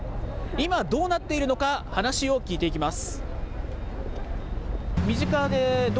今、どうなっているのか話を聞いていきます。